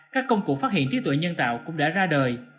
các công cụ phát hiện trí tuệ nhân tạo cũng đã ra đời